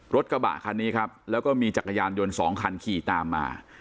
รถกระบะคันนี้ครับแล้วก็มีจักรยานยนต์สองคันขี่ตามมา